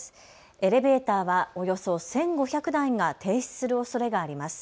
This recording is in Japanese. エレベーターはおよそ１５００台が停止するおそれがあります。